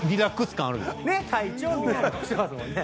「ねっ会長」みたいな顔してますもんね。